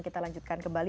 kita lanjutkan kembali